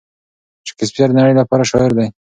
شکسپیر د نړۍ لپاره شاعر دی.